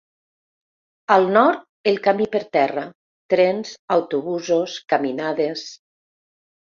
Al nord, el camí per terra: trens, autobusos, caminades.